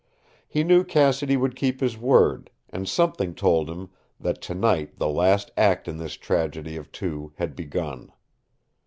He knew Cassidy would keep his word, and something told him that tonight the last act in this tragedy of two had begun.